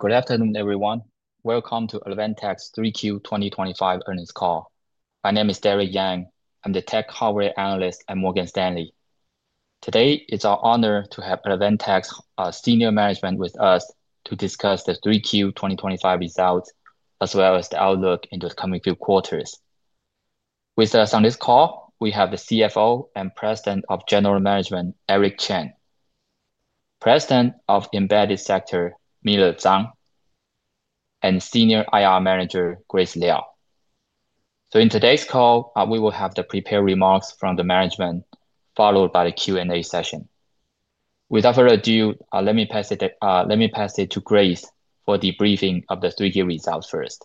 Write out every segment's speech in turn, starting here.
Good afternoon, everyone. Welcome to Advantech's 3Q 2025 Earnings Call. My name is Derrick Yang. I'm the Tech Hardware Analyst at Morgan Stanley. Today, it's our honor to have Advantech's Senior Management with us to discuss the 3Q 2025 results as well as the outlook in the coming few quarters. With us on this call, we have the CFO and President of General Management, Eric Chen, President of Embedded Sector, Miller Chang, and Senior IR Manager, Grace Liao. In today's call, we will have the prepared remarks from the management, followed by the Q&A session. Without further ado, let me pass it to Grace for the briefing of the 3Q results first.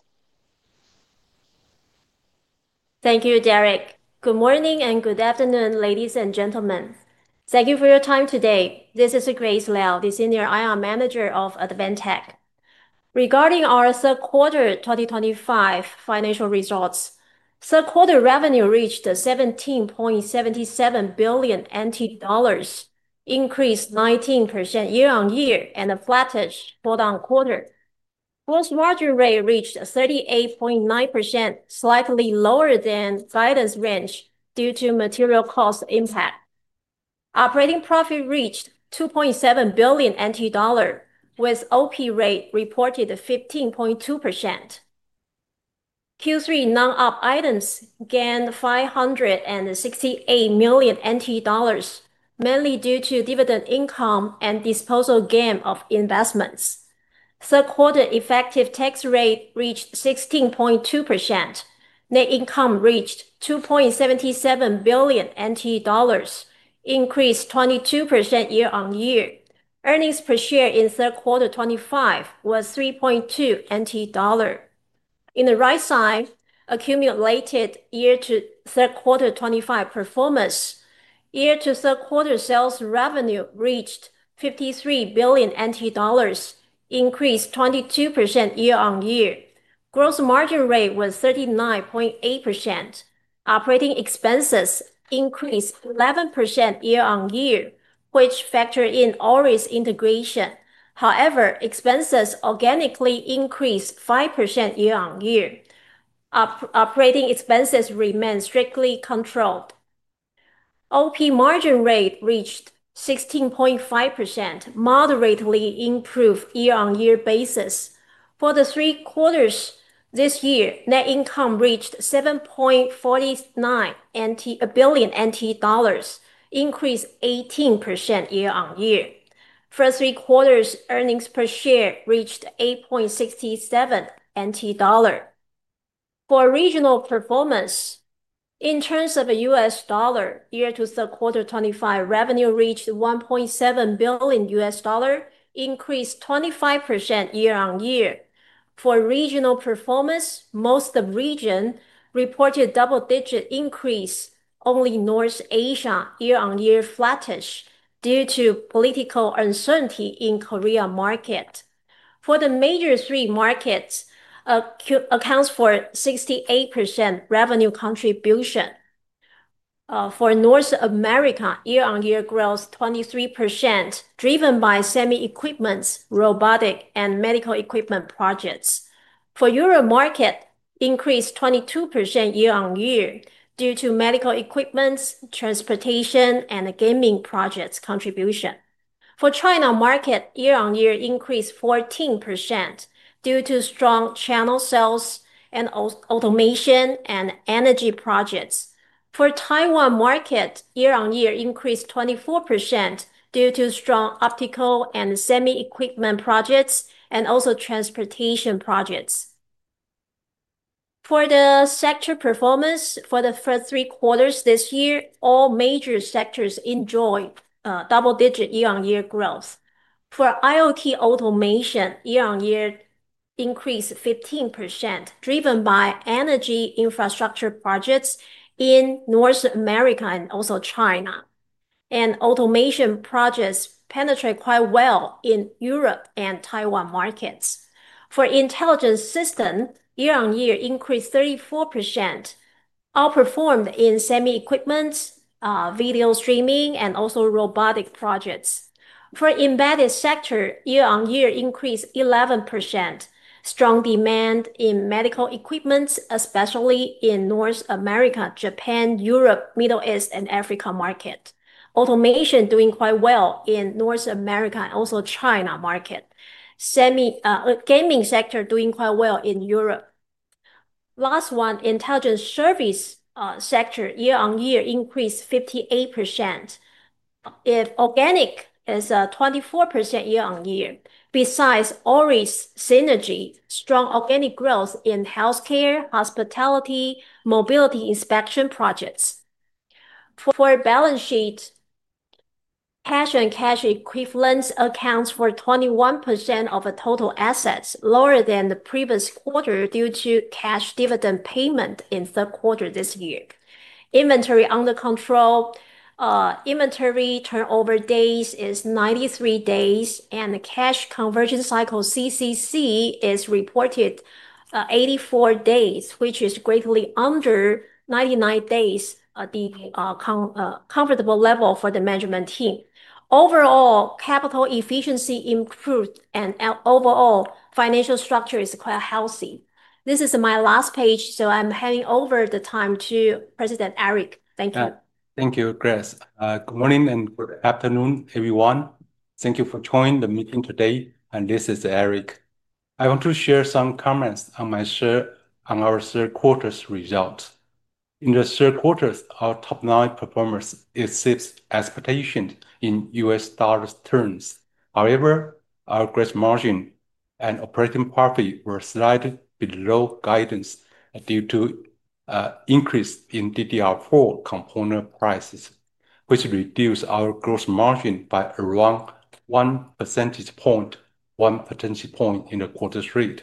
Thank you, Derrick. Good morning and good afternoon, ladies and gentlemen. Thank you for your time today. This is Grace Liao, the Senior IR Manager of Advantech. Regarding our third quarter 2025 financial results, third quarter revenue reached TWD 17.77 billion. Increased 19% year-on-year and a flattish quarter-to-quarter. Gross margin rate reached 38.9%, slightly lower than guidance range due to material cost impact. Operating profit reached 2.7 billion NT dollar, with OP rate reported 15.2%. Q3 non-op items gained 568 million NT dollars. Mainly due to dividend income and disposal gain of investments. Third quarter effective tax rate reached 16.2%. Net income reached 2.77 billion NT dollars. Increased 22% year-on-year. Earnings per share in third quarter 2025 was 3.2 NT dollar. In the right side, accumulated year-to-third quarter 2025 performance. Year-to-third quarter sales revenue reached 53 billion NT dollars. Increased 22% year-on-year. Gross margin rate was 39.8%. Operating expenses increased 11% year-on-year, which factored in always integration. However, expenses organically increased 5% year-on-year. Operating expenses remain strictly controlled. OP margin rate reached 16.5%, moderately improved year-on-year basis. For the three quarters this year, net income reached 7.49 billion NT dollars. Increased 18% year-on-year. First three quarters earnings per share reached 8.67 NT dollar. For regional performance. In terms of U.S. dollar, year-to-third quarter 2025 revenue reached $1.7 billion. Increased 25% year-on-year. For regional performance, most of region reported double-digit increase, only North Asia year-on-year flattish due to political uncertainty in Korea market. For the major three markets. Accounts for 68% revenue contribution. For North America, year-on-year growth 23%, driven by semi equipments, robotic, and medical equipment projects. For Euro market, increased 22% year-on-year due to medical equipments, transportation, and gaming projects contribution. For China market, year-on-year increased 14% due to strong channel sales and automation and energy projects. For Taiwan market, year-on-year increased 24% due to strong optical and semi equipment projects and also transportation projects. For the sector performance, for the first three quarters this year, all major sectors enjoyed double-digit year-on-year growth. For IoT automation, year-on-year increased 15%, driven by energy infrastructure projects in North America and also China. And automation projects penetrated quite well in Europe and Taiwan markets. For intelligent system, year-on-year increased 34%. Outperformed in semi equipment. Video streaming, and also robotic projects. For embedded sector, year-on-year increased 11%. Strong demand in medical equipment, especially in North America, Japan, Europe, Middle East, and Africa market. Automation doing quite well in North America and also China market. Gaming sector doing quite well in Europe. Last one, intelligent service. Sector year-on-year increased 58%. If organic is 24% year-on-year. Besides always synergy, strong organic growth in healthcare, hospitality, mobility inspection projects. For balance sheet. Cash and cash equivalents accounts for 21% of total assets, lower than the previous quarter due to cash dividend payment in third quarter this year. Inventory under control. Inventory turnover days is 93 days, and the cash conversion cycle CCC is reported. 84 days, which is greatly under 99 days. The. Comfortable level for the management team. Overall, capital efficiency improved, and overall financial structure is quite healthy. This is my last page, so I'm handing over the time to President Eric. Thank you. Thank you, Grace. Good morning and good afternoon, everyone. Thank you for joining the meeting today, and this is Eric. I want to share some comments on our third quarter's results. In the third quarter, our top nine performers exceeded expectations in U.S. dollar terms. However, our gross margin and operating profit were slightly below guidance due to an increase in DDR4 component prices, which reduced our gross margin by around 1 percentage point. In the third quarter,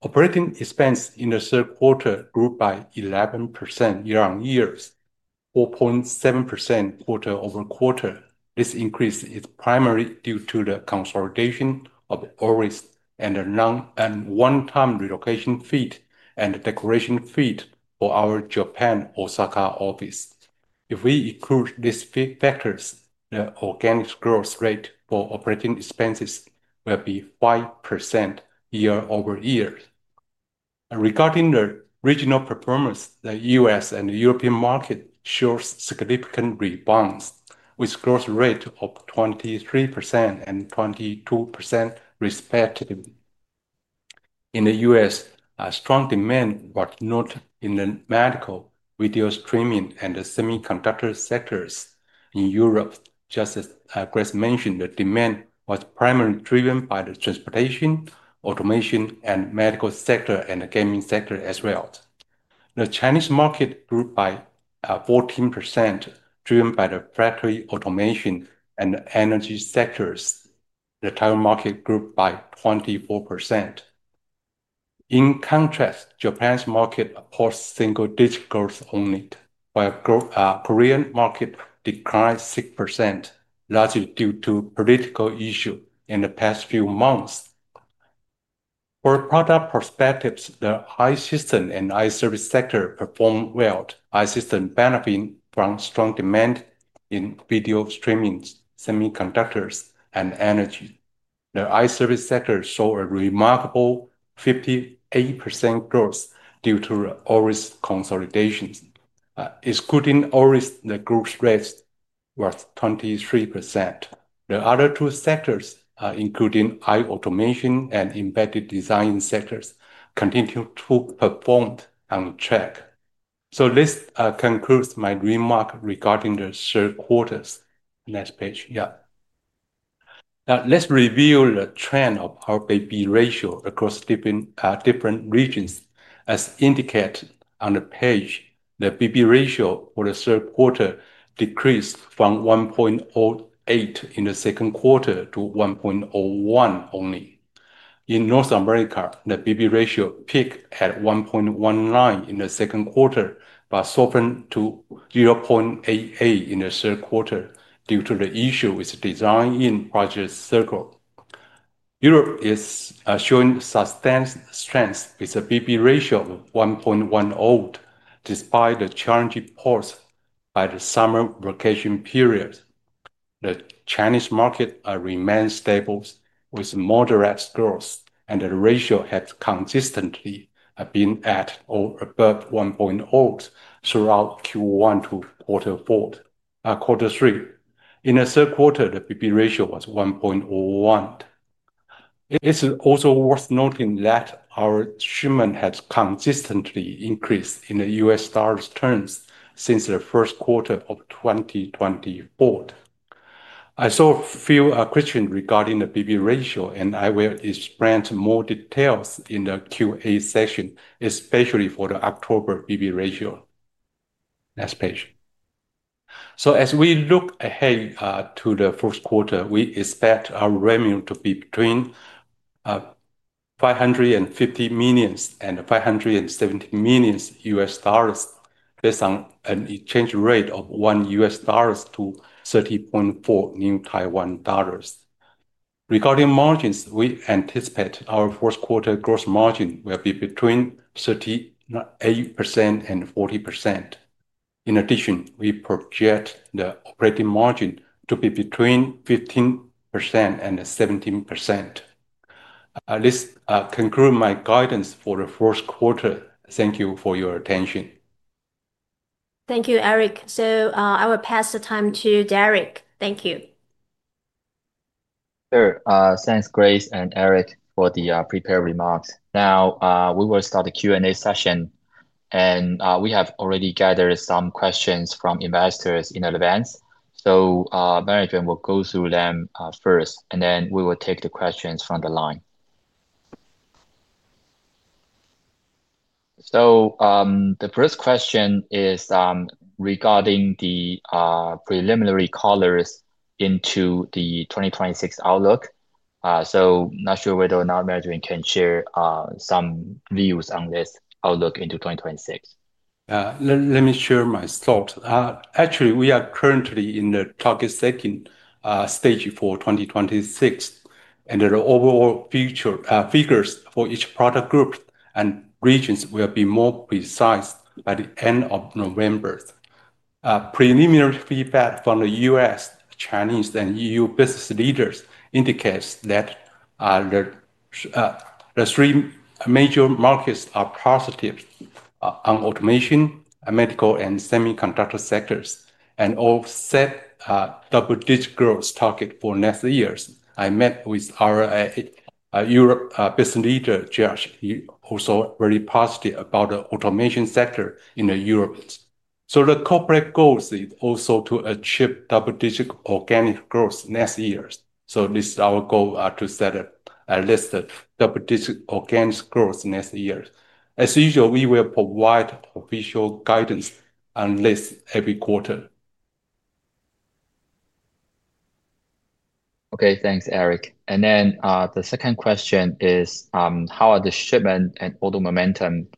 operating expense grew by 11% year-over-year, 4.7% quarter over quarter. This increase is primarily due to the consolidation of Always and the one-time relocation fee and the declaration fee for our Japan Osaka office. If we include these factors, the organic growth rate for operating expenses will be 5% year-over-year. Regarding the regional performance, the U.S. and the European market showed significant rebounds, with growth rates of 23% and 22% respectively. In the U.S., strong demand was noted in the medical, video streaming, and semiconductor sectors. In Europe, just as Grace mentioned, the demand was primarily driven by the transportation, automation, and medical sector, and the gaming sector as well. The Chinese market grew by 14%, driven by the factory automation and energy sectors. The Taiwan market grew by 24%. In contrast, Japan's market posted single-digit growth only, while the Korean market declined 6%, largely due to political issues in the past few months. For product perspectives, the IT system and IT service sector performed well. IT system benefited from strong demand in video streaming, semiconductors, and energy. The IT service sector saw a remarkable 58% growth due to Always consolidation. Excluding Always, the growth rate was 23%. The other two sectors, including IT automation and embedded design sectors, continued to perform on track. This concludes my remark regarding the third quarter. Next page, yeah. Let's review the trend of our BB ratio across different regions. As indicated on the page, the BB ratio for the third quarter decreased from 1.08 in the second quarter to 1.01 only. In North America, the BB ratio peaked at 1.19 in the second quarter, but softened to 0.88 in the third quarter due to the issue with design-in project circle. Europe is showing sustained strength with a BB ratio of 1.18, despite the challenging pause by the summer vacation period. The Chinese market remained stable with moderate growth, and the ratio has consistently been at or above 1.8 throughout Q1 to Q4. In the third quarter, the BB ratio was 1.01. It is also worth noting that our shipment has consistently increased in U.S. dollar terms since the first quarter of 2024. I saw a few questions regarding the BB ratio, and I will expand more details in the Q&A session, especially for the October BB ratio. Next page. As we look ahead to the first quarter, we expect our revenue to be between. $550 million and $570 million U.S. dollars, based on an exchange rate of $1 to 30.4. Regarding margins, we anticipate our first quarter gross margin will be between 38%-40%. In addition, we project the operating margin to be between 15%-17%. This concludes my guidance for the first quarter. Thank you for your attention. Thank you, Eric. I will pass the time to Derrick. Thank you. Sure. Thanks, Grace and Eric, for the prepared remarks. Now we will start the Q&A session, and we have already gathered some questions from investors in advance. Management will go through them first, and then we will take the questions from the line. The first question is regarding the preliminary colors into the 2026 outlook. Not sure whether or not Management can share some views on this outlook into 2026. Let me share my thought. Actually, we are currently in the target-setting stage for 2026, and the overall figures for each product group and regions will be more precise by the end of November. Preliminary feedback from the U.S., Chinese, and EU business leaders indicates that the three major markets are positive on automation, medical, and semiconductor sectors, and all set double-digit growth targets for next year. I met with our Europe business leader, Josh, who was very positive about the automation sector in Europe. The corporate goal is also to achieve double-digit organic growth next year. This is our goal to set a list of double-digit organic growth next year. As usual, we will provide official guidance on this every quarter. Okay, thanks, Eric. The second question is, how are the shipment and auto momentum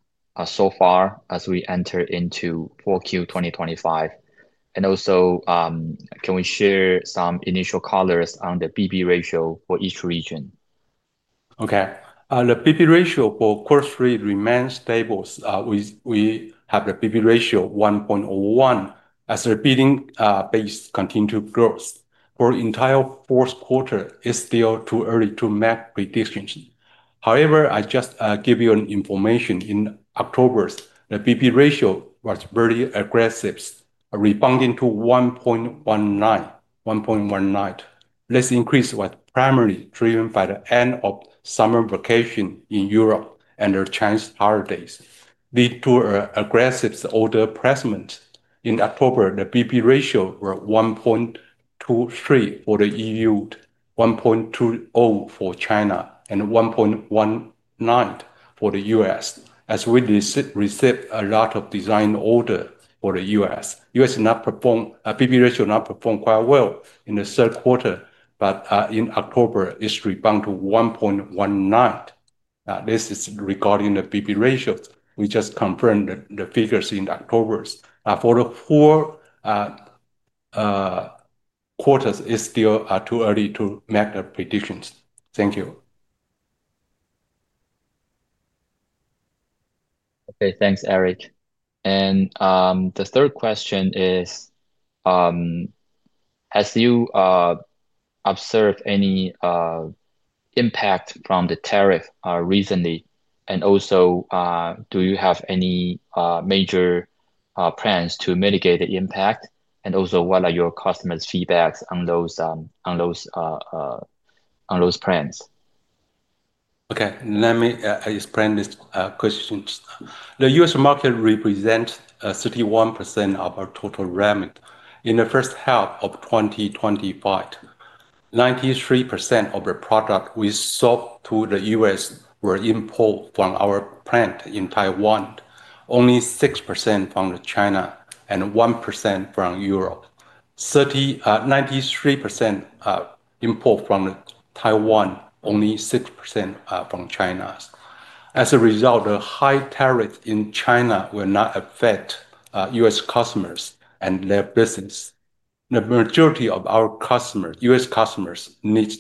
so far as we enter into 4Q 2025? Also, can we share some initial colors on the BB ratio for each region? Okay. The BB ratio for quarter three remains stable. We have the BB ratio of 1.01 as a repeating base continued growth. For the entire fourth quarter, it's still too early to make predictions. However, I just give you an information. In October, the BB ratio was very aggressive, rebounding to 1.19. That increase was primarily driven by the end of summer vacation in Europe and the Chinese holidays, leading to an aggressive order placement. In October, the BB ratio was 1.23 for the EU, 1.20 for China, and 1.19 for the U.S., as we received a lot of design orders for the U.S. U.S. BB ratio did not perform quite well in the third quarter, but in October, it rebounded to 1.19. This is regarding the BB ratio. We just confirmed the figures in October. For the four quarters, it's still too early to make predictions. Thank you. Okay, thanks, Eric. The third question is, have you observed any impact from the tariff recently? Also, do you have any major plans to mitigate the impact? Also, what are your customers' feedbacks on those plans? Okay, let me explain this question. The U.S. market represents 31% of our total revenue. In the first half of 2025, 93% of the product we sold to the U.S. were imported from our plant in Taiwan, only 6% from China, and 1% from Europe. 93% import from Taiwan, only 6% from China. As a result, the high tariffs in China will not affect U.S. customers and their business. The majority of our customers, U.S. customers, need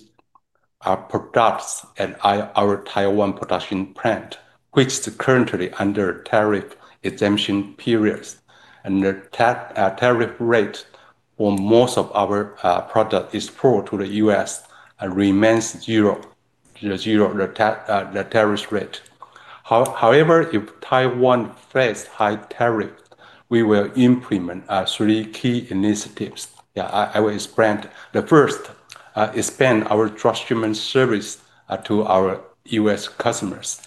our products at our Taiwan production plant, which is currently under tariff exemption periods. The tariff rate for most of our products is forwarded to the U.S. and remains zero. The tariff rate, however, if Taiwan faces high tariffs, we will implement three key initiatives. I will expand. The first, expand our dropshipment service to our U.S. customers.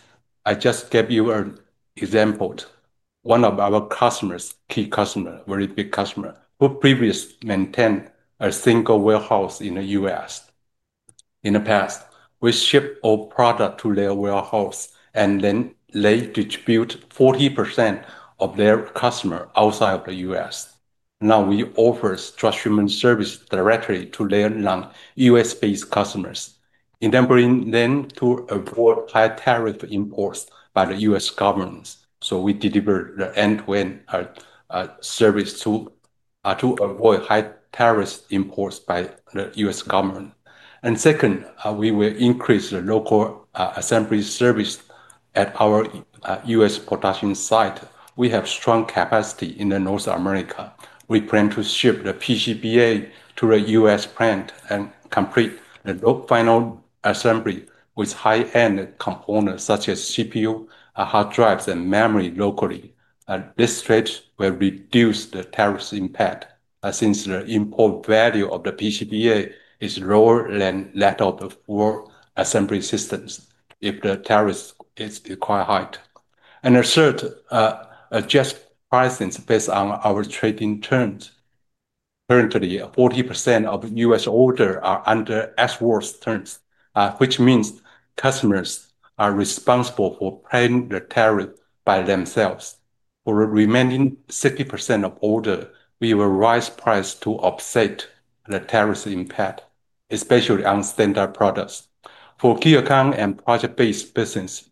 I just gave you an example. One of our customers, key customers, very big customer, who previously maintained a single warehouse in the U.S.. In the past, we shipped all products to their warehouse, and then they distributed 40% of their customers outside of the U.S. Now we offer dropshipment service directly to their non-U.S.-based customers, enabling them to avoid high tariff imports by the U.S. government. We deliver the end-to-end service to avoid high tariff imports by the U.S. government. Second, we will increase the local assembly service at our U.S. production site. We have strong capacity in North America. We plan to ship the PCBA to the U.S. plant and complete the final assembly with high-end components such as CPU, hard drives, and memory locally. This will reduce the tariff impact since the import value of the PCBA is lower than that of the full assembly systems if the tariff is required. Third, adjust pricing based on our trading terms. Currently, 40% of U.S. orders are under ex-works terms, which means customers are responsible for paying the tariff by themselves. For the remaining 60% of orders, we will raise prices to offset the tariff impact, especially on standard products. For gear and project-based business,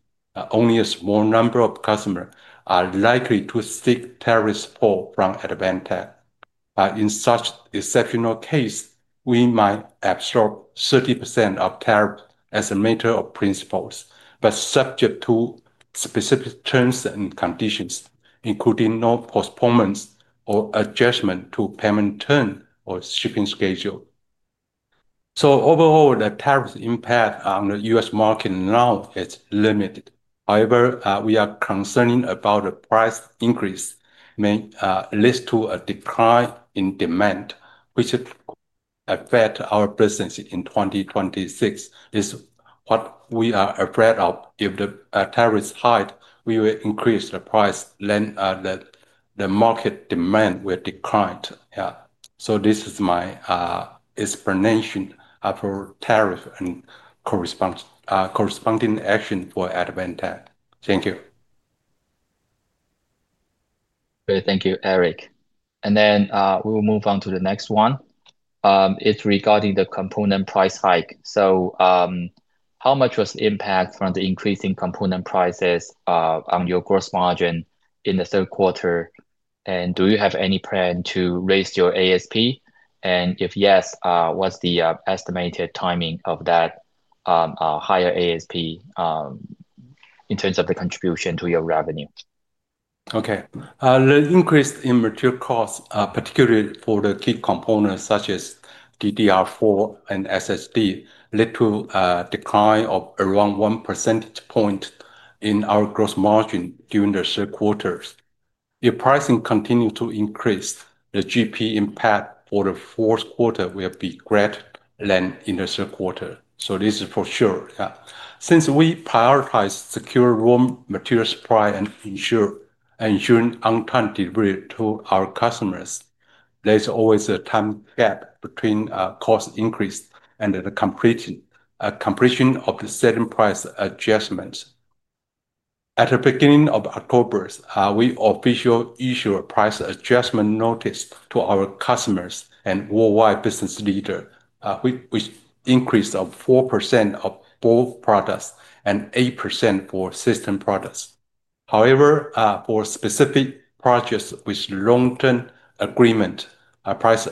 only a small number of customers are likely to seek tariff support from Advantech. In such exceptional cases, we might absorb 30% of tariff as a matter of principle, but subject to specific terms and conditions, including no postponement or adjustment to payment terms or shipping schedule. Overall, the tariff impact on the U.S. market now is limited. However, we are concerned about the price increase leading to a decline in demand, which could affect our business in 2026. This is what we are afraid of. If the tariffs are high, we will increase the price. Then the market demand will decline. This is my explanation for tariff and corresponding action for Advantech. Thank you. Great. Thank you, Eric. We will move on to the next one. It is regarding the component price hike. How much was the impact from the increasing component prices on your gross margin in the third quarter? Do you have any plan to raise your ASP? If yes, what is the estimated timing of that higher ASP in terms of the contribution to your revenue? Okay. The increase in material costs, particularly for the key components such as DDR4 and SSD, led to a decline of around one percentage point in our gross margin during the third quarter. If pricing continues to increase, the GP impact for the fourth quarter will be greater than in the third quarter. This is for sure. Since we prioritize secure raw material supply and ensure on-time delivery to our customers, there's always a time gap between cost increase and the completion of the setting price adjustments. At the beginning of October, we officially issued a price adjustment notice to our customers and worldwide business leaders, which increased 4% for both products and 8% for system products. However, for specific projects with long-term agreement, price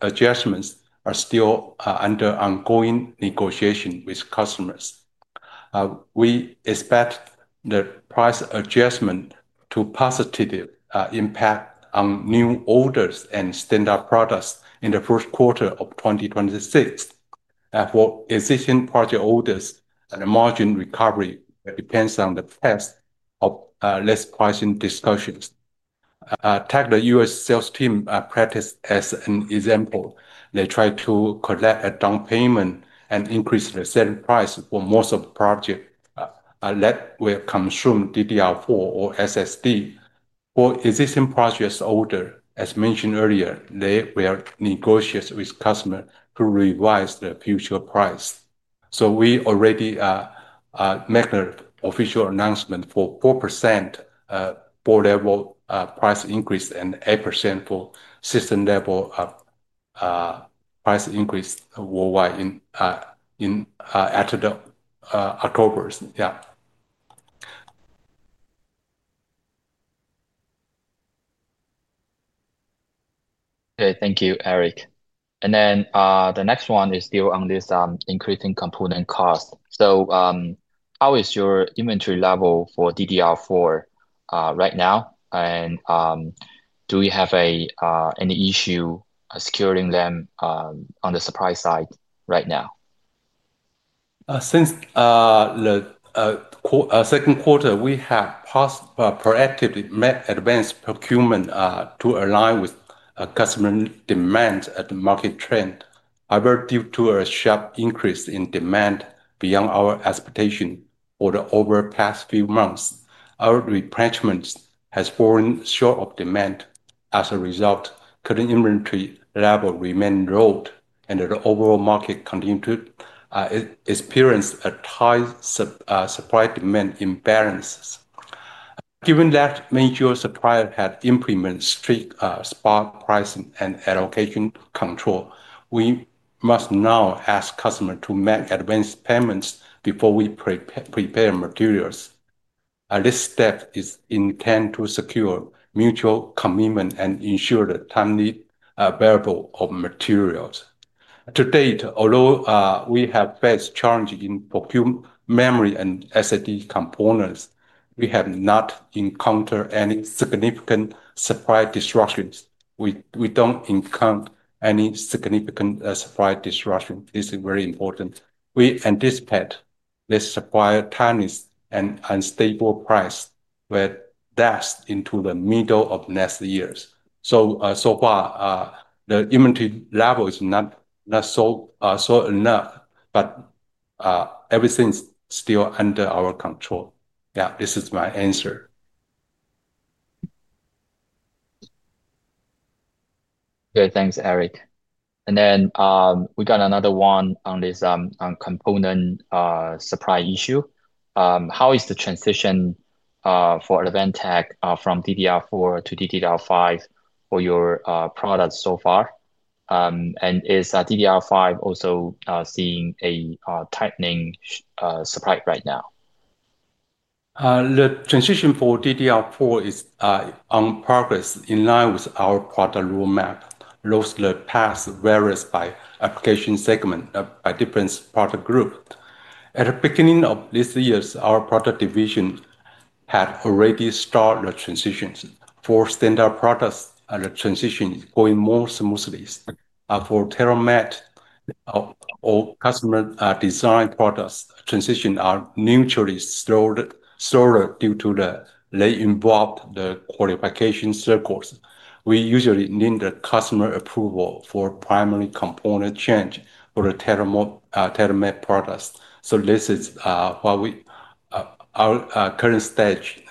adjustments are still under ongoing negotiation with customers. We expect the price adjustment to positively impact on new orders and standard products in the first quarter of 2026. For existing project orders, the margin recovery depends on the test of less pricing discussions. Take the U.S. sales team practice as an example. They try to collect a down payment and increase the selling price for most of the projects that will consume DDR4 or SSD. For existing projects orders, as mentioned earlier, they will negotiate with customers to revise the future price. We already made an official announcement for 4% four-level price increase and 8% for system-level price increase worldwide at the October. Yeah. Okay. Thank you, Eric. The next one is still on this increasing component cost. How is your inventory level for DDR4 right now? Do you have any issue securing them on the supply side right now? Since the second quarter, we have proactively met advanced procurement to align with customer demands at the market trend. However, due to a sharp increase in demand beyond our expectation for the over past few months, our replenishment has fallen short of demand. As a result, current inventory level remains low, and the overall market continues to experience a tight supply-demand imbalance. Given that major suppliers have implemented strict spot pricing and allocation control, we must now ask customers to make advanced payments before we prepare materials. This step is intended to secure mutual commitment and ensure the timely available of materials. To date, although we have faced challenges in procurement, memory, and SSD components, we have not encountered any significant supply disruptions. We do not encounter any significant supply disruption. This is very important. We anticipate this supply tightness and unstable price will dash into the middle of next year. So far, the inventory level is not high enough, but everything's still under our control. Yeah, this is my answer. Okay, thanks, Eric. We got another one on this component supply issue. How is the transition for Advantech from DDR4 to DDR5 for your products so far? Is DDR5 also seeing a tightening supply right now? The transition for DDR4 is in progress in line with our product roadmap, though the path varies by application segment, by different product groups. At the beginning of this year, our product division had already started the transition. For standard products, the transition is going more smoothly. For customer design products, transitions are mutually slower. Due to the lag involved, the qualification cycles, we usually need the customer approval for primary component change for the customer design products. This is what we are at our current stage.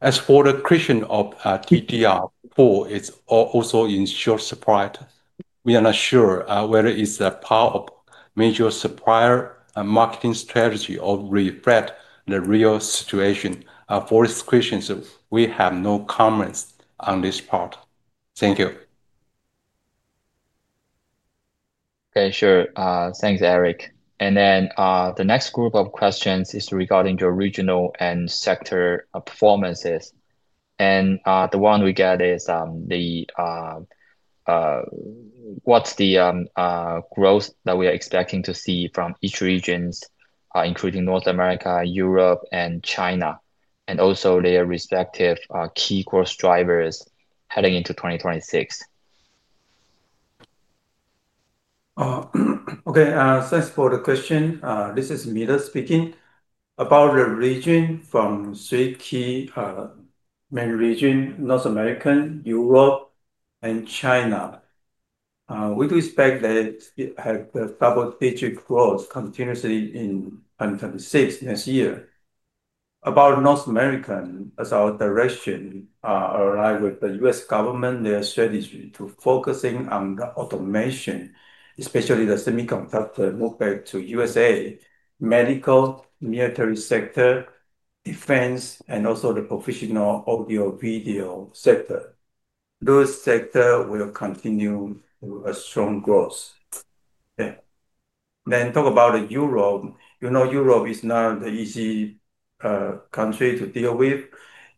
As for the creation of DDR4, it is also in short supply. We are not sure whether it is a part of major supplier marketing strategy or reflects the real situation. For this question, we have no comments on this part. Thank you. Okay, sure. Thanks, Eric. The next group of questions is regarding your regional and sector performances. The one we got is, what's the growth that we are expecting to see from each region, including North America, Europe, and China, and also their respective key growth drivers heading into 2026? Okay, thanks for the question. This is Miller speaking. About the region from three key main regions: North America, Europe, and China. We do expect that. Have a double-digit growth continuously in 2026 next year. About North America, as our direction. Aligned with the U.S. government, their strategy to focus on the automation, especially the semiconductor, move back to U.S., medical, military sector. Defense, and also the professional audio-video sector. Those sectors will continue to have strong growth. Talk about Europe. You know Europe is not an easy country to deal with,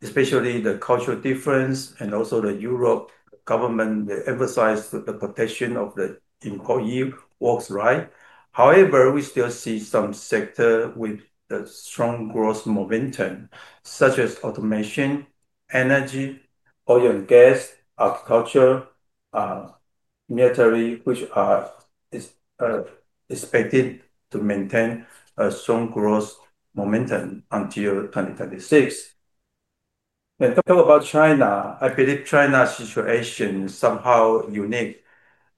especially the cultural difference. Also the Europe government, they emphasize the protection of the employee works, right? However, we still see some sectors with strong growth momentum, such as automation, energy, oil and gas, agriculture. Military, which is expected to maintain a strong growth momentum until 2026. Talk about China. I believe China's situation is somehow unique.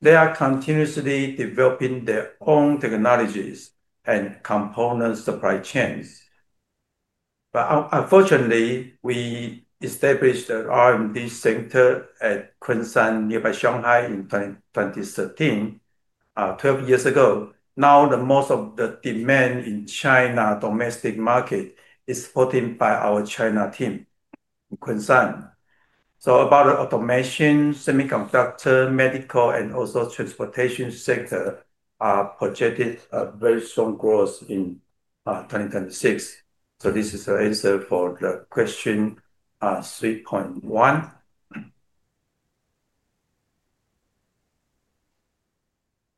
They are continuously developing their own technologies and component supply chains. Unfortunately, we established an R&D center at Quanshan, nearby Shanghai, in 2013, twelve years ago. Now, most of the demand in China's domestic market is supported by our China team in Quanshan. About the automation, semiconductor, medical, and also transportation sectors are projected very strong growth in 2026. This is the answer for the question. 3.1.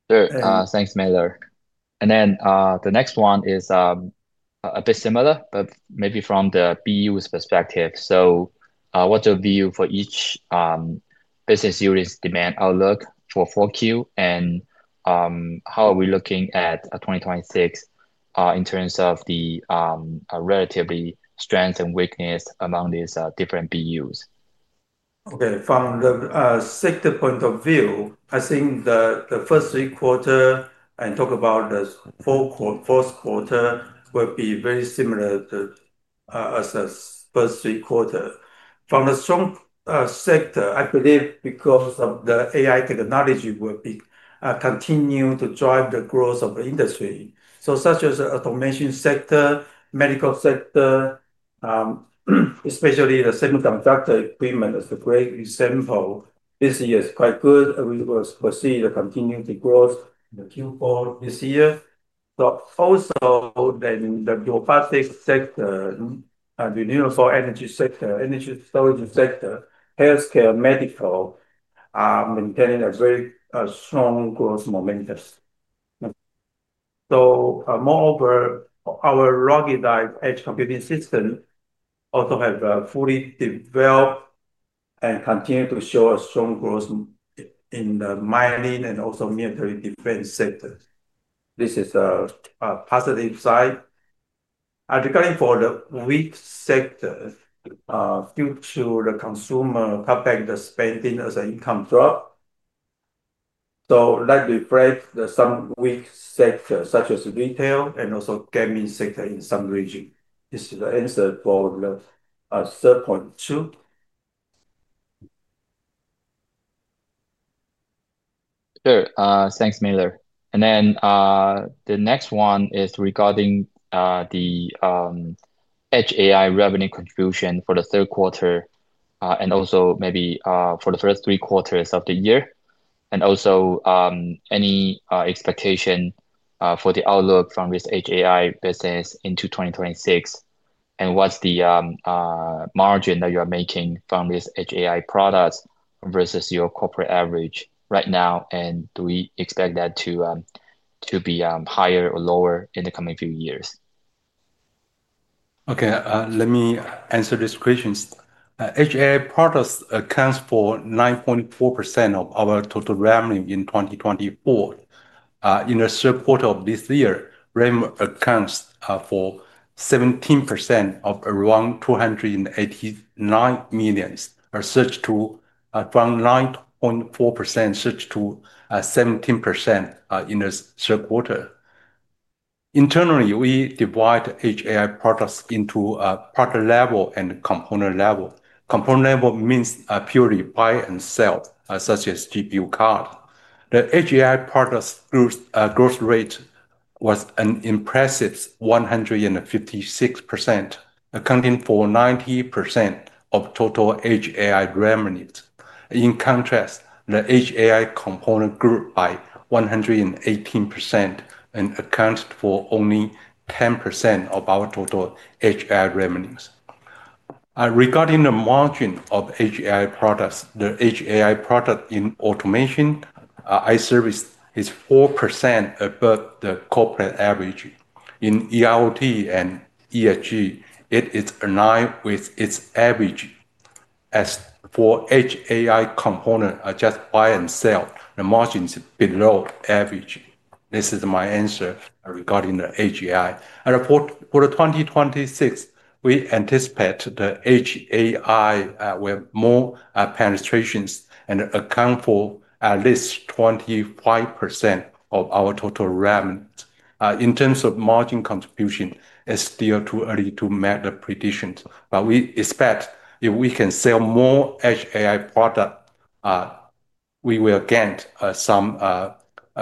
Sure. Thanks, Miller. The next one is a bit similar, but maybe from the BU's perspective. What's your view for each business unit's demand outlook for 4Q? How are we looking at 2026 in terms of the relative strengths and weaknesses among these different BUs? Okay. From the sector point of view, I think the first three quarters and talk about the fourth quarter will be very similar too. The first three quarters. From the strong sector, I believe because of the AI technology will continue to drive the growth of the industry. Such as the automation sector, medical sector. Especially the semiconductor equipment is a great example. This year is quite good. We will foresee the continued growth in Q4 this year. Also the robotics sector, renewable energy sector, energy storage sector, healthcare, medical, are maintaining a very strong growth momentum. Moreover, our ruggedized edge computing system also have fully developed and continue to show a strong growth in the mining and also military defense sector. This is a positive side. Regarding for the weak sector, due to the consumer cutback, the spending as an income drop, that reflects some weak sectors such as retail and also gaming sector in some regions. This is the answer for 3.2. Sure. Thanks, Miller. The next one is regarding the Edge AI revenue contribution for the third quarter and also maybe for the first three quarters of the year. Also, any expectation for the outlook from this Edge AI business into 2026? What is the margin that you are making from this Edge AI product versus your corporate average right now? Do we expect that to be higher or lower in the coming few years? Okay, let me answer this question. Edge AI products account for 9.4% of our total revenue in 2024. In the third quarter of this year, revenue accounts for 17% of around $289 million, a surge from 9.4% to 17% in the third quarter. Internally, we divide Edge AI products into product level and component level. Component level means purely buy and sell, such as GPU card. The Edge AI product growth rate was an impressive 156%, accounting for 90% of total Edge AI revenues. In contrast, the Edge AI component grew by 118% and accounted for only 10% of our total Edge AI revenues. Regarding the margin of Edge AI products, the Edge AI product in automation, I service, is 4% above the corporate average. In ERT and ERG, it is aligned with its average. As for Edge AI component, just buy and sell, the margin is below average. This is my answer regarding the Edge AI. For 2026, we anticipate the Edge AI will have more penetrations and account for at least 25% of our total revenues. In terms of margin contribution, it's still too early to make the predictions. But we expect if we can sell more Edge AI products, we will gain some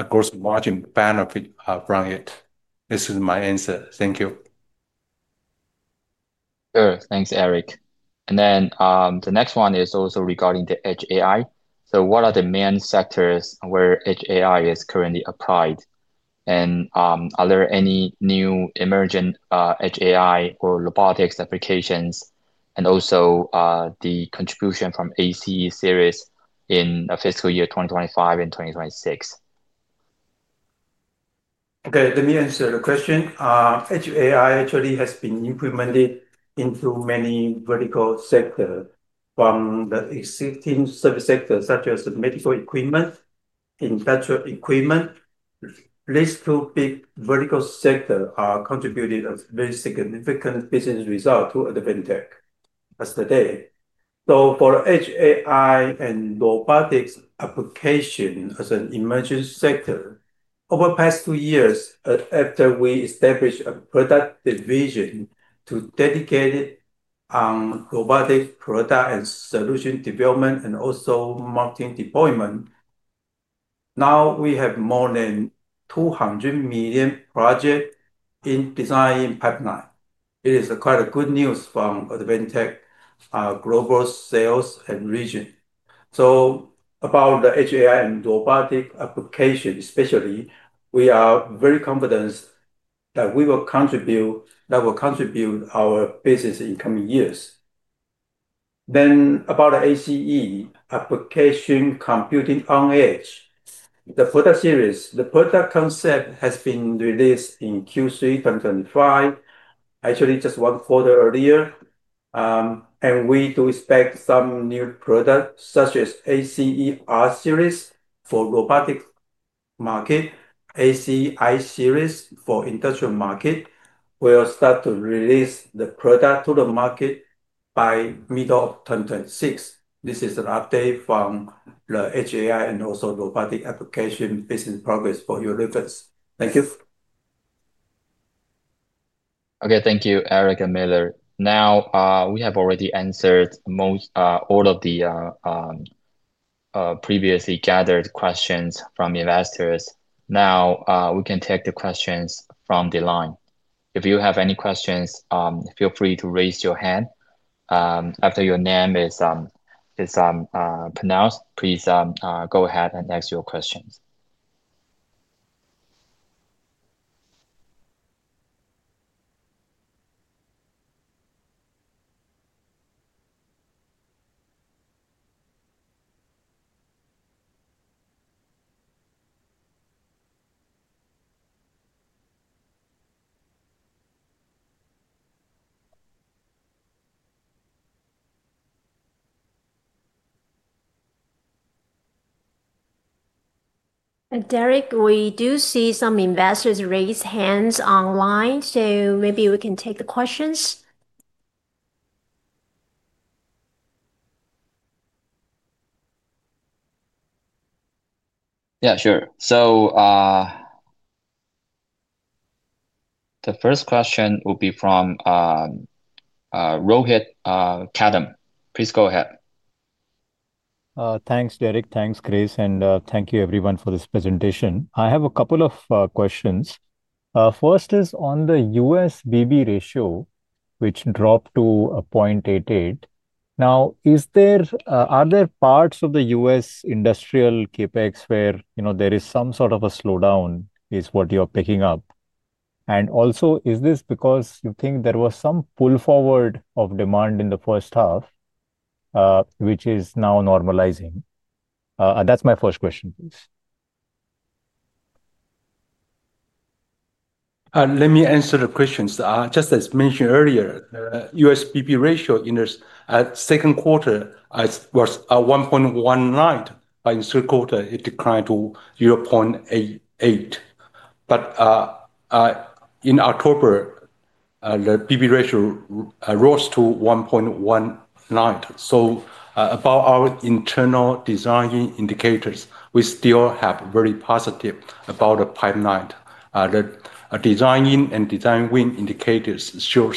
gross margin benefit from it. This is my answer. Thank you. Sure. Thanks, Eric. The next one is also regarding the Edge AI. What are the main sectors where Edge AI is currently applied? Are there any new emergent Edge AI or robotics applications? Also, the contribution from ACE series in the fiscal year 2025 and 2026? Okay, let me answer the question. Edge AI actually has been implemented into many vertical sectors from the existing service sectors, such as medical equipment, industrial equipment. These two big vertical sectors contributed a very significant business result to Advantech as today. For Edge AI and robotics applications as an emerging sector, over the past two years, after we established a product division to dedicate robotics product and solution development and also marketing deployment, now we have more than $200 million projects in design pipeline. It is quite good news from Advantech global sales and region. About the Edge AI and robotics application, especially, we are very confident that we will contribute our business in coming years. About the ACE application computing on edge, the product series, the product concept has been released in Q3 2025, actually just one quarter earlier. We do expect some new products such as ACE-R series for robotic market, ACE-I series for industrial market. We will start to release the product to the market by middle of 2026. This is an update from the Edge AI and also robotic application business progress for Europe. Thank you. Okay, thank you, Eric and Miller. Now we have already answered all of the previously gathered questions from investors. Now we can take the questions from the line. If you have any questions, feel free to raise your hand. After your name is pronounced, please go ahead and ask your questions. Derrick, we do see some investors raise hands online, so maybe we can take the questions. Yeah, sure. The first question will be from Rohit Kadam. Please go ahead. Thanks, Derrick. Thanks, Grace. And thank you everyone for this presentation. I have a couple of questions. First is on the U.S. BB ratio, which dropped to 0.88. Now, are there parts of the U.S. industrial CapEx where there is some sort of a slowdown is what you're picking up? Also, is this because you think there was some pull forward of demand in the first half, which is now normalizing? That's my first question, please. Let me answer the questions. Just as mentioned earlier, the U.S. BB ratio in the second quarter was 1.19. In the third quarter, it declined to 0.88. In October, the BB ratio rose to 1.19. About our internal design indicators, we still have very positive about the pipeline. The design win and design win indicators show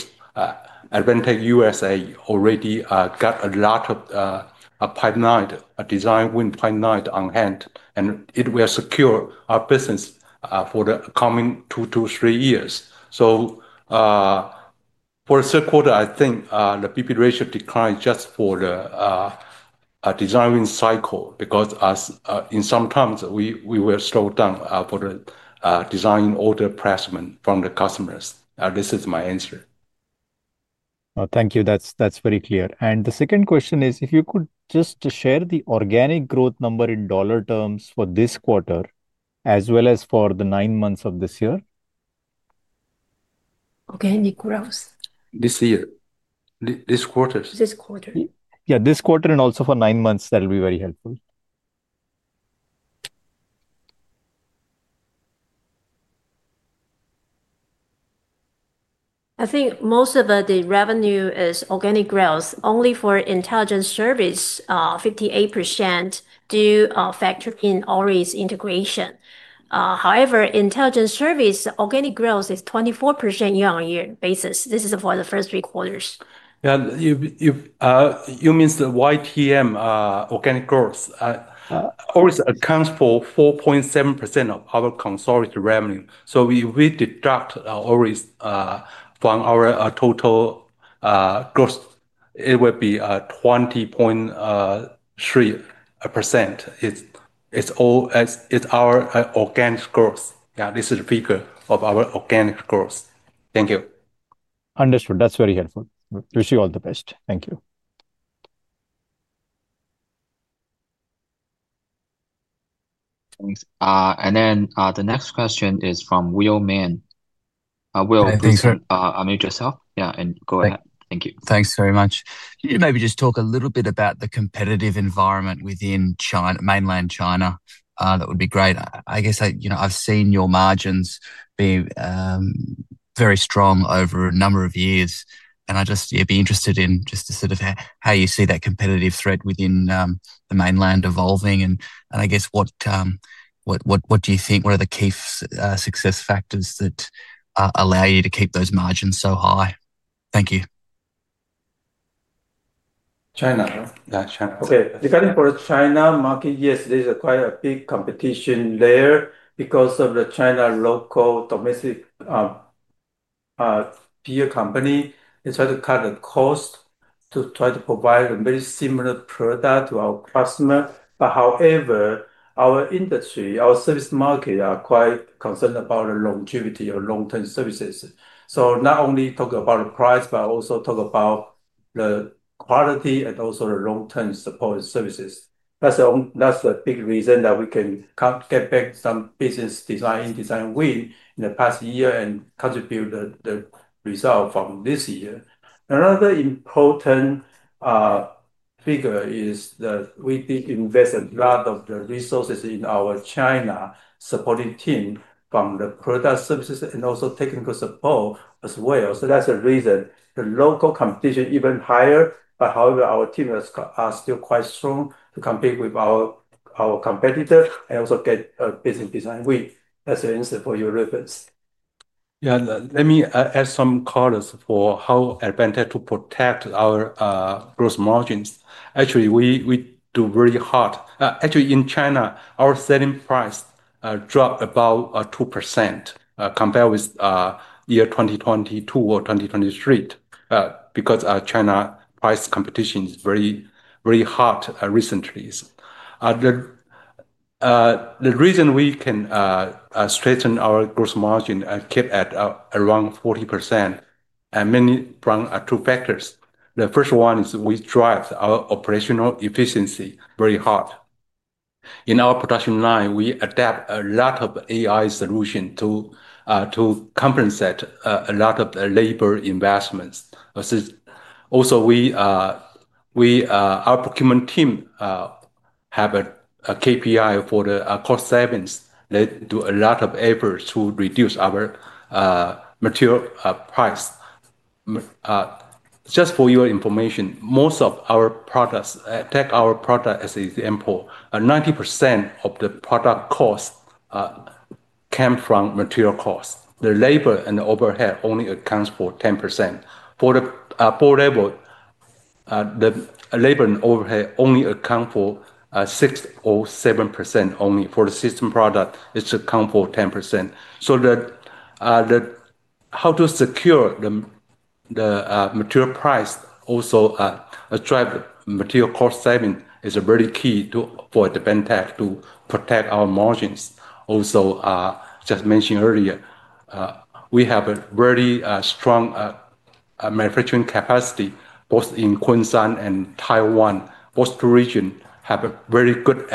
Advantech USA already got a lot of pipeline, design win pipeline on hand, and it will secure our business for the coming two to three years. For the third quarter, I think the BB ratio declined just for the design win cycle because in some times we will slow down for the design order placement from the customers. This is my answer. Thank you. That is very clear. The second question is, if you could just share the organic growth number in dollar terms for this quarter as well as for the nine months of this year. Okay. This year. This quarter? This quarter. Yeah, this quarter and also for nine months, that'll be very helpful. I think most of the revenue is organic growth. Only for Intelligent Service, 58% due to factory in ORIS integration. However, Intelligent Service, organic growth is 24% year-on-year basis. This is for the first three quarters. Yeah. You mean the YTM organic growth? ORIS accounts for 4.7% of our consolidated revenue. If we deduct ORIS from our total growth, it will be 20.3%. It is our organic growth. This is the figure of our organic growth. Thank you. Understood. That's very helpful. Wish you all the best. Thank you. The next question is from Will Man. Will, please introduce yourself. Yeah, and go ahead. Thank you. Thanks very much. You maybe just talk a little bit about the competitive environment within Mainland China. That would be great. I guess I've seen your margins be very strong over a number of years. And I'd just be interested in just to sort of how you see that competitive threat within the mainland evolving. I guess what do you think? What are the key success factors that allow you to keep those margins so high? Thank you. China. Yeah, China. Okay. Regarding for China market, yes, there's quite a big competition there because of the China local domestic peer company. They try to cut the cost to try to provide a very similar product to our customer. However, our industry, our service market, are quite concerned about the longevity of long-term services. So not only talking about the price, but also talk about the quality and also the long-term support services. That's the big reason that we can get back some business design, design win in the past year and contribute the result from this year. Another important figure is that we invest a lot of the resources in our China supporting team from the product services and also technical support as well. That's the reason the local competition is even higher. However, our team is still quite strong to compete with our competitor and also get a business design win. That's the answer for your reference. Yeah. Let me add some colors for how Advantech to protect our gross margins. Actually, we do very hard. Actually, in China, our selling price dropped about 2% compared with year 2022 or 2023 because China price competition is very hard recently. The reason we can strengthen our gross margin and keep at around 40% mainly from two factors. The first one is we drive our operational efficiency very hard. In our production line, we adapt a lot of AI solutions to compensate a lot of the labor investments. Also, our procurement team have a KPI for the cost savings. They do a lot of efforts to reduce our material price. Just for your information, most of our products, take our product as an example, 90% of the product cost came from material cost. The labor and overhead only accounts for 10%. For the labor, the labor and overhead only account for 6% or 7% only. For the system product, it accounts for 10%. How to secure the material price also drives material cost savings is very key for Advantech to protect our margins. Also, just mentioned earlier, we have a very strong manufacturing capacity both in Quanshan and Taiwan. Both two regions have a very good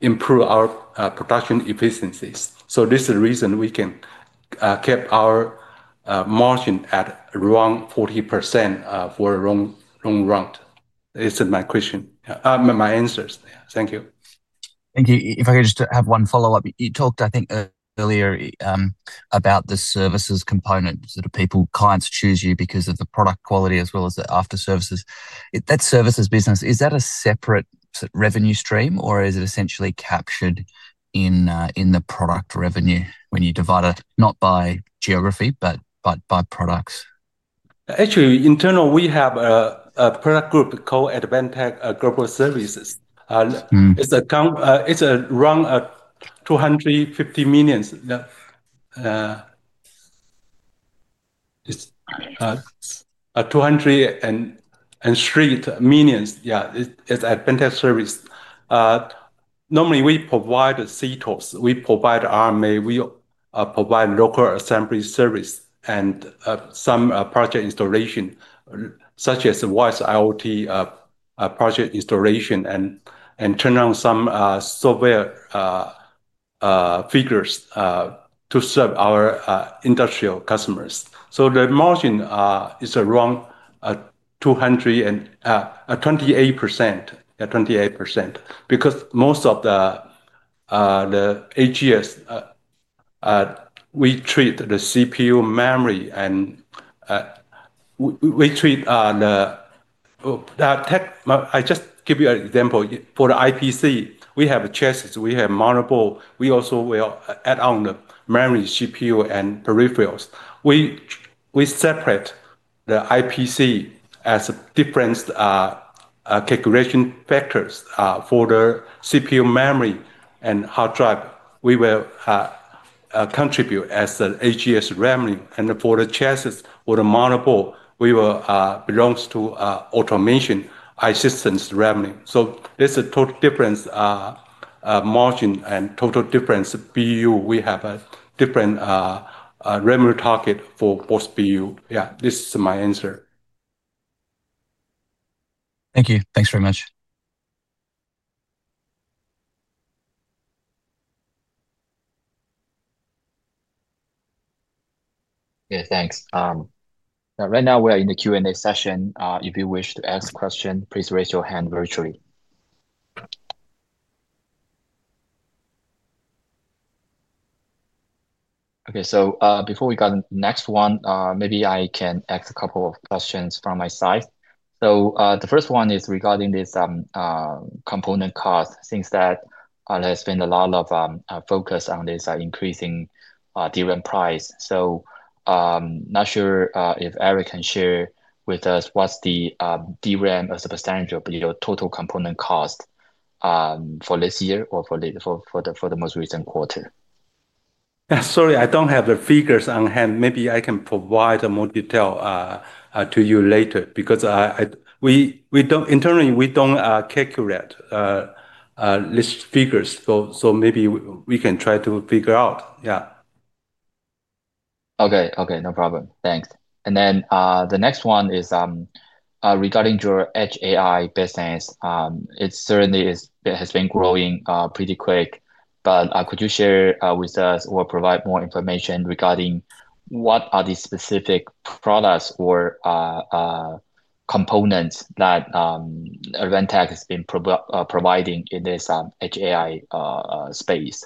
improve our production efficiencies. This is the reason we can keep our margin at around 40% for a long run. This is my answers. Thank you. Thank you. If I could just have one follow-up. You talked, I think, earlier about the services component that people, clients choose you because of the product quality as well as the after services. That services business, is that a separate revenue stream or is it essentially captured in the product revenue when you divide it not by geography, but by products? Actually, internal, we have a product group called Advantech Global Services. It's around $250 million, $200 million, and $300 million. Yeah, it's Advantech service. Normally, we provide CTOS, we provide RMA, we provide local assembly service, and some project installation, such as WISE IoT project installation and turn on some software features to serve our industrial customers. The margin is around 28% because most of the AGS, we treat the CPU, memory, and we treat the—I just give you an example. For the IPC, we have chassis, we have motherboard, we also will add on the memory, CPU, and peripherals. We separate the IPC as different calculation factors for the CPU, memory, and hard drive. We will contribute as the AGS revenue, and for the chassis, for the motherboard, we will belong to automation assistance revenue. There's a total difference, margin, and total difference BU. We have a different revenue target for both BU. Yeah, this is my answer. Thank you. Thanks very much. Okay, thanks. Right now, we are in the Q&A session. If you wish to ask a question, please raise your hand virtually. Okay, before we go to the next one, maybe I can ask a couple of questions from my side. The first one is regarding this component cost. Since there has been a lot of focus on this increasing DRAM price. Not sure if Eric can share with us what's the DRAM as a percentage of your total component cost for this year or for the most recent quarter. Yeah, sorry, I don't have the figures on hand. Maybe I can provide more detail to you later because internally, we don't calculate these figures. Maybe we can try to figure out. Yeah. Okay, okay. No problem. Thanks. The next one is regarding your Edge AI business. It certainly has been growing pretty quick. Could you share with us or provide more information regarding what are the specific products or components that Advantech has been providing in this Edge AI space?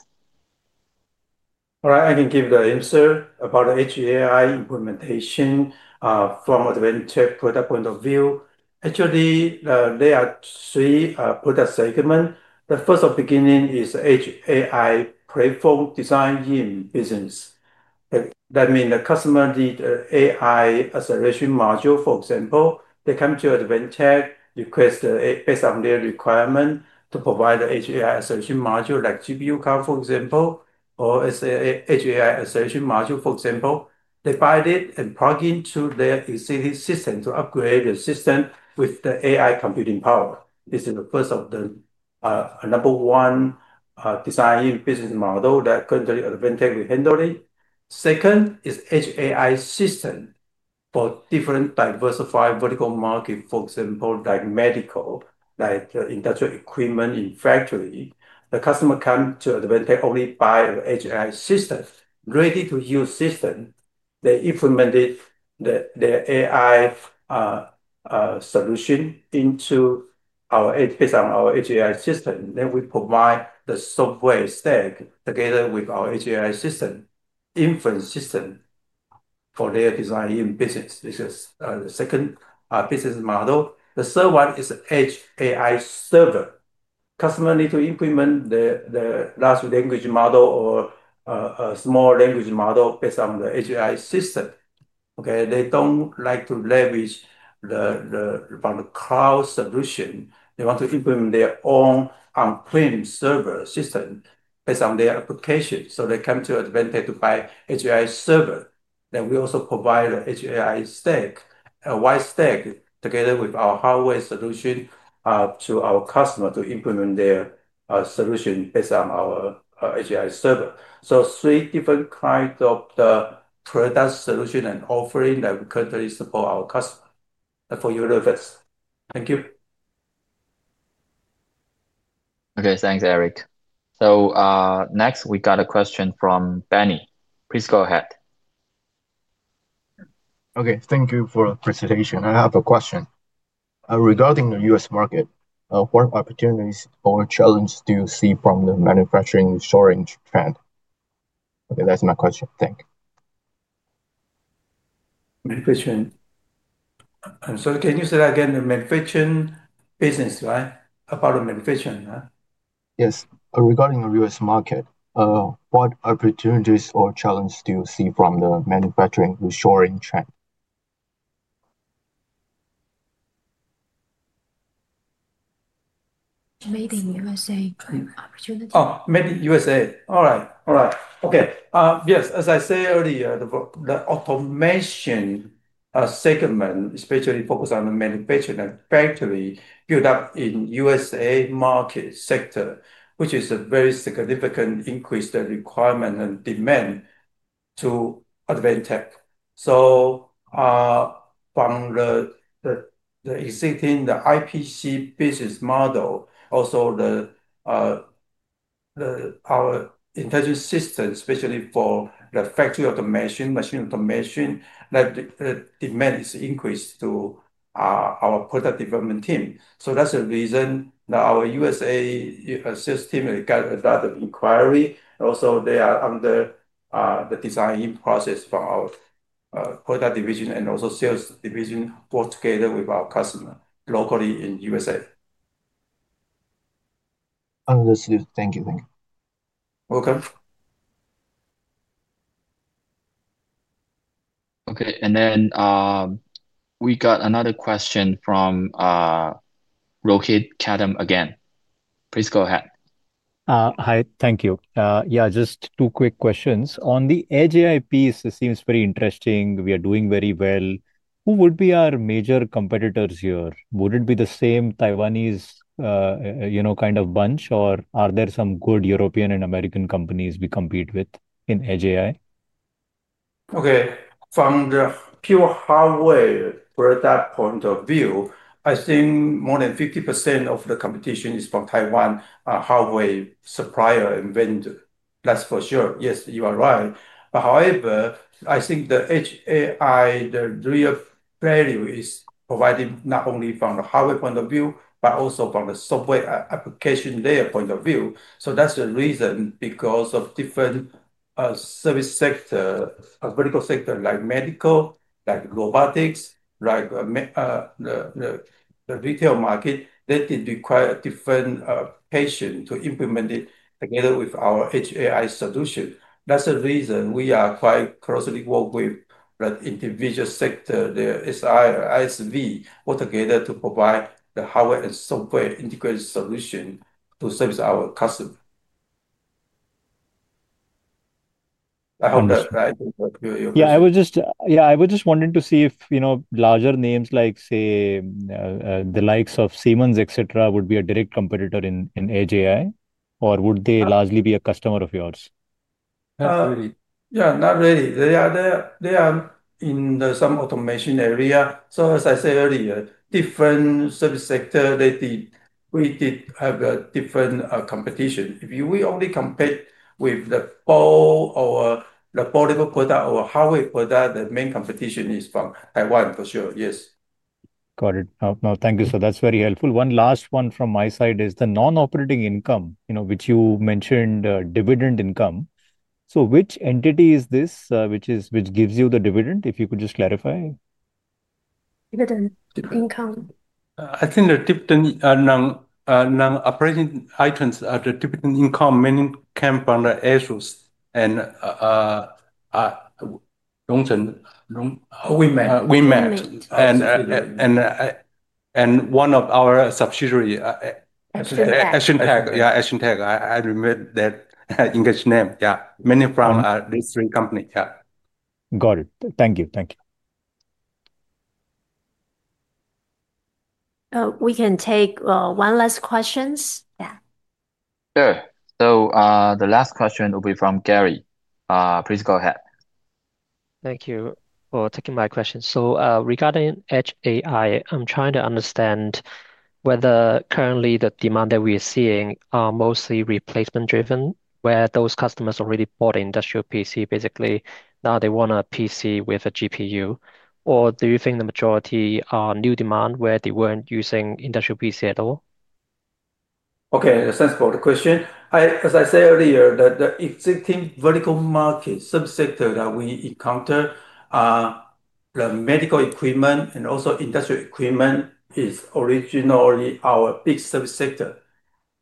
All right, I can give the answer about the Edge AI implementation. From Advantech product point of view, actually, there are three product segments. The first beginning is Edge AI platform design in business. That means the customer needs an AI acceleration module, for example. They come to Advantech, request based on their requirement to provide the Edge AI acceleration module like GPU card, for example, or Edge AI acceleration module, for example. They buy it and plug into their existing system to upgrade the system with the AI computing power. This is the first of the, number one, design in business model that currently Advantech will handle it. Second is Edge AI system. For different diversified vertical market, for example, like medical, like industrial equipment in factory. The customer comes to Advantech only buy an Edge AI system, ready-to-use system. They implemented their AI solution into, based on our Edge AI system. Then we provide the software stack together with our Edge AI system, inference system, for their design in business. This is the second business model. The third one is Edge AI server. Customer needs to implement the large language model or a small language model based on the Edge AI system. Okay, they do not like to leverage the cloud solution. They want to implement their own on-prem server system based on their application. They come to Advantech to buy Edge AI server. Then we also provide an Edge AI stack, a Wise stack, together with our hardware solution to our customer to implement their solution based on our Edge AI server. Three different kinds of product solution and offering that we currently support our customer. That is for your reference. Thank you. Okay, thanks, Eric. Next, we got a question from Benny. Please go ahead. Okay, thank you for the presentation. I have a question. Regarding the U.S. market, what opportunities or challenges do you see from the manufacturing shortage trend? Okay, that's my question. Thank you. Manufacturing. Can you say that again? The manufacturing business, right? About the manufacturing. Yes. Regarding the U.S. market. What opportunities or challenges do you see from the manufacturing shortage trend? Maybe U.S. opportunity. Oh, maybe USA. All right. All right. Okay. Yes, as I said earlier, the automation segment, especially focused on the manufacturing and factory, built up in USA market sector, which is a very significant increase in the requirement and demand to Advantech. From the existing IPC business model, also our Intelligent System, especially for the factory automation, machine automation, the demand is increased to our product development team. That's the reason that our USA sales team got a lot of inquiry. Also, they are under the design process from our product division and also sales division work together with our customer locally in USA. Understood. Thank you. Thank you. Welcome. Okay. And then we got another question from Rohit Kadam again. Please go ahead. Hi, thank you. Yeah, just two quick questions. On the Edge AI piece, it seems very interesting. We are doing very well. Who would be our major competitors here? Would it be the same Taiwanese kind of bunch, or are there some good European and American companies we compete with in Edge AI? Okay. From the pure hardware product point of view, I think more than 50% of the competition is from Taiwan hardware supplier and vendor. That's for sure. Yes, you are right. However, I think the Edge AI, the real value is provided not only from the hardware point of view, but also from the software application layer point of view. That's the reason because of different service sectors, vertical sectors like medical, like robotics, like the retail market, they did require different patients to implement it together with our Edge AI solution. That's the reason we are quite closely working with the individual sector, the SI or SV, all together to provide the hardware and software integrated solution to service our customer. I hope that's right. Yeah, I was just wanting to see if larger names like, say, the likes of Siemens, etc., would be a direct competitor in Edge AI, or would they largely be a customer of yours? Not really. Yeah, not really. They are in the some automation area. As I said earlier, different service sectors, we did have different competition. If we only compete with the portable product or hardware product, the main competition is from Taiwan, for sure. Yes. Got it. No, thank you. That's very helpful. One last one from my side is the non-operating income, which you mentioned, dividend income. Which entity is this which gives you the dividend? If you could just clarify. Dividend income. I think the dividend and operating items are the dividend income mainly come from ASUS. and WeMart. WeMart. One of our subsidiaries, Action Tech. Yeah, Action Tech. I remember that English name. Yeah. Mainly from these three companies. Yeah. Got it. Thank you. Thank you. We can take one last question. Yeah. Sure. So the last question will be from Gary. Please go ahead. Thank you for taking my question. Regarding Edge AI, I'm trying to understand whether currently the demand that we are seeing is mostly replacement-driven, where those customers already bought an industrial PC, basically, now they want a PC with a GPU. Or do you think the majority are new demand where they were not using industrial PC at all? Okay. Thanks for the question. As I said earlier, the existing vertical market, subsector that we encounter. The medical equipment and also industrial equipment is originally our big subsector.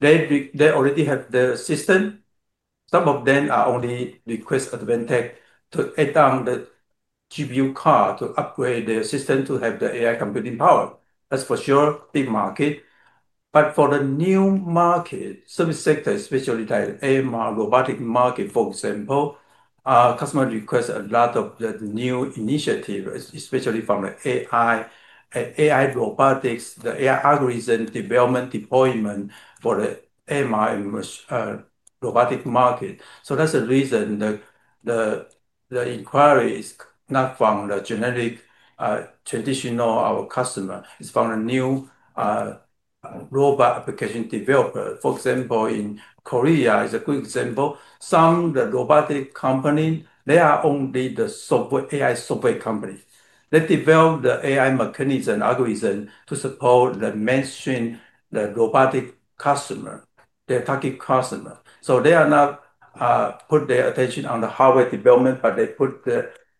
They already have the system. Some of them only request Advantech to add on the GPU card to upgrade their system to have the AI computing power. That's for sure, big market. For the new market, service sector, especially like AMR robotic market, for example, customer requests a lot of the new initiatives, especially from the AI. AI robotics, the AI algorithm development, deployment for the AMR and robotic market. That's the reason the inquiry is not from the generic, traditional our customer. It's from the new robot application developer. For example, in Korea is a good example. Some of the robotic companies, they are only the AI software companies. They develop the AI mechanism, algorithm to support the mainstream robotic customer, their target customer. They are not put their attention on the hardware development, but they put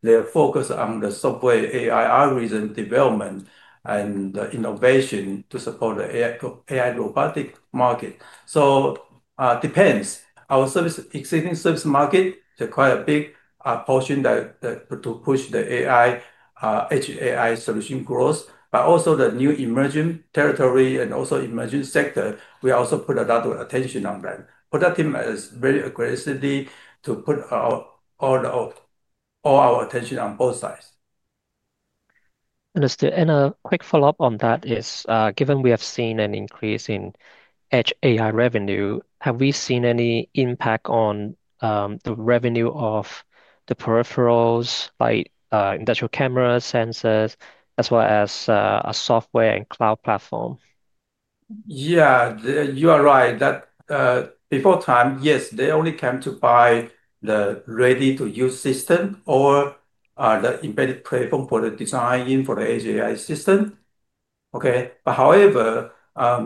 their focus on the software AI algorithm development and the innovation to support the AI robotic market. Depends. Our existing service market, there's quite a big portion to push the AI, Edge AI solution growth, but also the new emerging territory and also emerging sector, we also put a lot of attention on that. Productive is very aggressively to put all our attention on both sides. Understood. A quick follow-up on that is, given we have seen an increase in Edge AI revenue, have we seen any impact on the revenue of the peripherals like industrial cameras, sensors, as well as a software and cloud platform? Yeah, you are right. Before time, yes, they only come to buy the ready-to-use system or the embedded platform for the design in for the Edge AI system. Okay. However,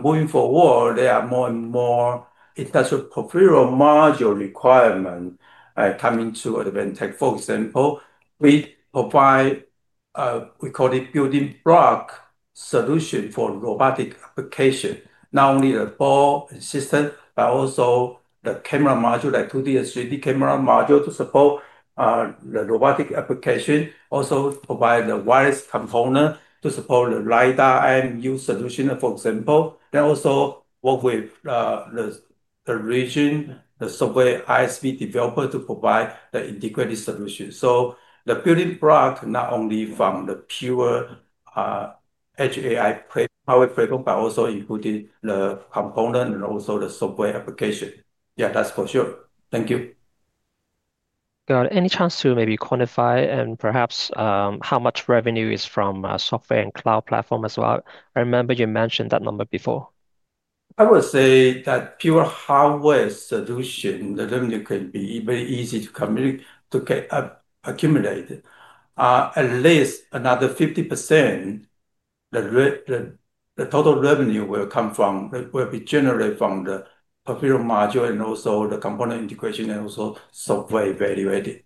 moving forward, there are more and more industrial peripheral module requirements coming to Advantech. For example, we provide, we call it building block solution for robotic application, not only the board and system, but also the camera module like 2D and 3D camera module to support the robotic application. Also provide the wireless component to support the LiDAR and MU solution, for example. They also work with the region, the software ISV developer to provide the integrated solution. The building block not only from the pure Edge AI hardware platform, but also including the component and also the software application. Yeah, that's for sure. Thank you. Got it. Any chance to maybe quantify and perhaps how much revenue is from software and cloud platform as well? I remember you mentioned that number before. I would say that pure hardware solution, the revenue can be very easy to accumulate. At least another 50%. The total revenue will come from, will be generally from the peripheral module and also the component integration and also software evaluated.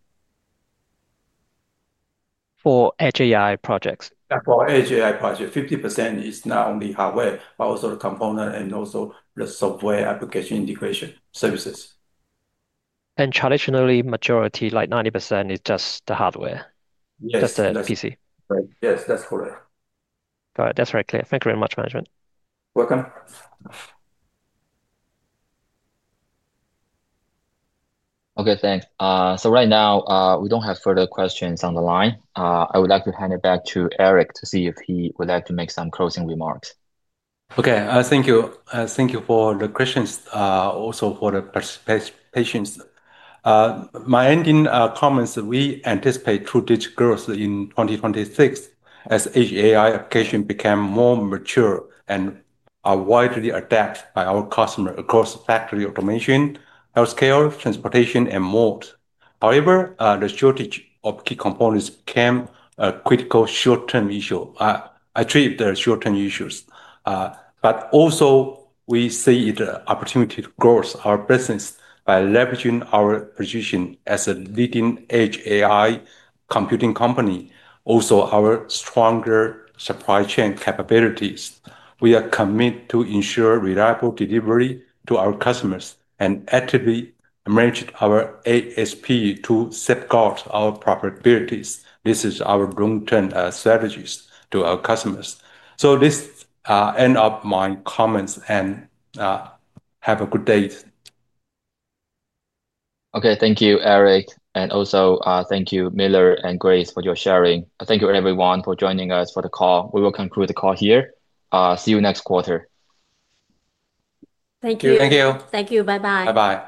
For Edge AI projects? For Edge AI projects, 50% is not only hardware, but also the component and also the software application integration services. Traditionally, majority, like 90%, is just the hardware? Yes. Just the PC? Yes, that's correct. Got it. That's very clear. Thank you very much, Management. Welcome. Okay, thanks. Right now, we do not have further questions on the line. I would like to hand it back to Eric to see if he would like to make some closing remarks. Okay. Thank you. Thank you for the questions, also for the participation. My ending comments, we anticipate true digital growth in 2026 as Edge AI applications become more mature and are widely adapted by our customers across factory automation, healthcare, transportation, and more. However, the shortage of key components became a critical short-term issue. I treat the short-term issues. Also, we see the opportunity to grow our business by leveraging our position as a leading Edge AI computing company, also our stronger supply chain capabilities. We are committed to ensure reliable delivery to our customers and actively manage our ASP to safeguard our profitabilities. This is our long-term strategies to our customers. This ends up my comments and. Have a good day. Okay, thank you, Eric. Thank you, Miller and Grace, for your sharing. Thank you, everyone, for joining us for the call. We will conclude the call here. See you next quarter. Thank you. Thank you. Thank you. Bye-bye. Bye-bye.